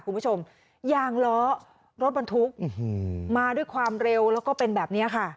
คุณผู้ชมยางล้อรถบรรทุกมาด้วยความเร็วแล้วก็เป็นแบบนี้ค่ะ